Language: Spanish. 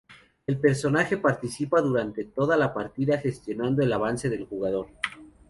El personaje participa durante toda la partida gestionando el avance del jugador.